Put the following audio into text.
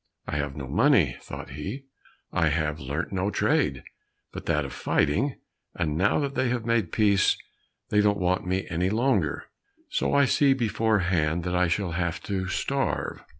"I have no money," thought he, "I have learnt no trade but that of fighting, and now that they have made peace they don't want me any longer; so I see beforehand that I shall have to starve."